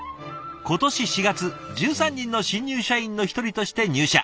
今年４月１３人の新入社員の１人として入社。